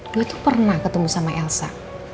dulu tuh pernah ketemu sama elsa